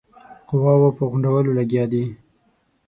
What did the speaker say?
قواوو په غونډولو لګیا دی.